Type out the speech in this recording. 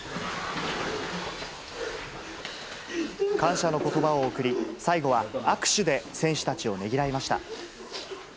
感謝のことばを送り、最後は握手で選手たちをねぎらいました。